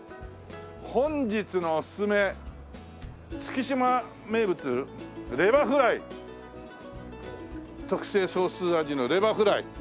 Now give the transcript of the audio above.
「本日のおすすめ月島名物レバフライ」特製ソース味のレバフライ。